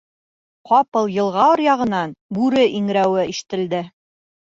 Ҡапыл йылға аръяғынан бүре иңрәүе ишетелде.